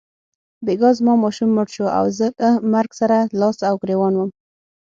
بیګا زما ماشوم مړ شو او زه له مرګ سره لاس او ګرېوان وم.